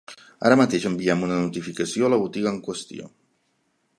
Ara mateix enviem una notificació a la botiga en qüestió.